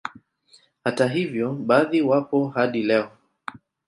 Hata hivyo baadhi wapo hadi leo